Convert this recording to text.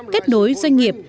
kết nối doanh nghiệp